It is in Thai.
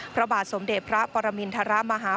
พระบาทสมเด็จพระปรมินทรมาฮา